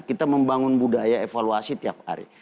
kita membangun budaya evaluasi tiap hari